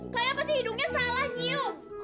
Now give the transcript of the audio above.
kayaknya pasti hidungnya salah nyium